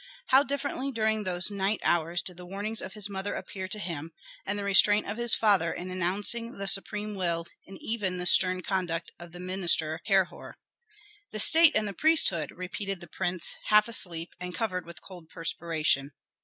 How differently during those night hours did the warnings of his mother appear to him, and the restraint of his father in enouncing the supreme will, and even the stern conduct of the minister, Herhor. "The state and the priesthood!" repeated the prince, half asleep, and covered with cold perspiration.